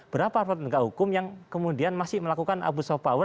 berapa aparat penegak hukum yang kemudian masih melakukan abuse of power